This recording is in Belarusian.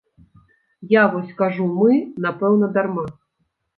Я вось кажу мы, напэўна, дарма.